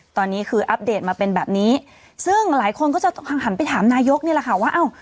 ตอนนี้คืออัปเดตมาเป็นแบบนี้ซึ่งหลายคนก็จะหันไปถามนายกนี่แหละค่ะว่าอ้าว